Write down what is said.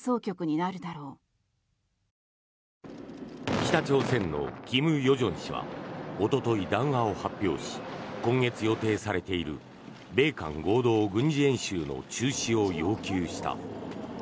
北朝鮮の金与正氏はおととい、談話を発表し今月予定されている米韓合同軍事演習の中止を要求した。